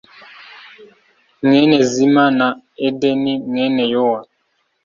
mwene zima na edeni mwene yowa